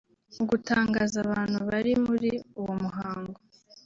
Mu gutangaza abantu bali muli uwo muhango